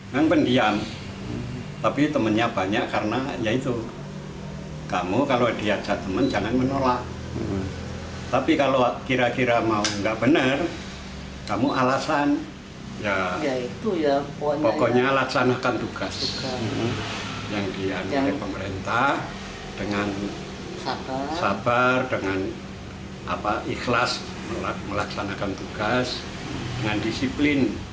sabar dengan ikhlas melaksanakan tugas dengan disiplin